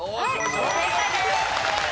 正解です。